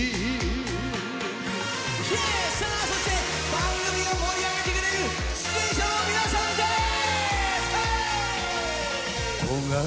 番組を盛り上げてくれる出演者の皆さんです！